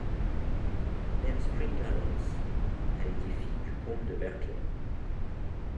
Née à Spring Gardens, elle était fille du comte de Berkeley.